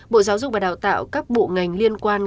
bộ giáo dục và đào tạo các bộ ngành liên quan